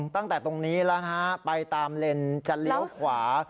ตั้งแต่ตรงนี้แล้วนะไปตามเล่นจะเลี้ยวขวา